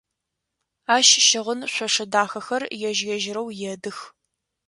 Ащ щыгъын шъошэ дахэхэр ежь-ежьырэу едых.